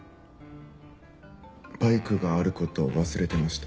バイクがある事を忘れてました。